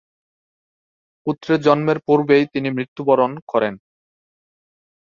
পুত্রের জন্মের পূর্বেই তিনি মৃত্যুবরণ করেন।